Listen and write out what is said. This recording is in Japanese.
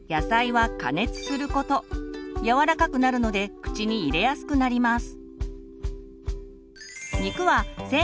柔らかくなるので口に入れやすくなります。